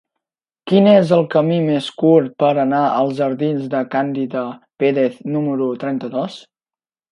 Quin és el camí més curt per anar als jardins de Càndida Pérez número trenta-dos?